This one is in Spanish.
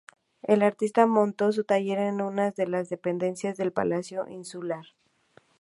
El artista montó su taller en unas de las dependencias del palacio insular.